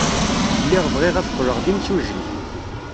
Lliɣ bɣiɣ ad qqleɣ d imsujji.